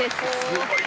すごい！